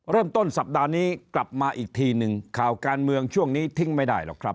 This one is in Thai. เริ่มต้นสัปดาห์นี้กลับมาอีกทีหนึ่งข่าวการเมืองช่วงนี้ทิ้งไม่ได้หรอกครับ